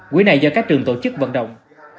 quỹ này do các trường tổ chức vận động